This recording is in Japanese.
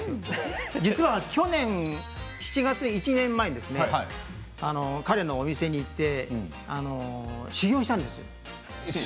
実は去年７月、１年前に彼のお店に行って修業したんです。